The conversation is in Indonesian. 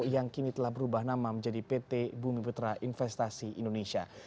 yang kini telah berubah nama menjadi pt bumi putra investasi indonesia